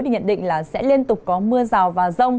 thì nhận định là sẽ liên tục có mưa rào và rông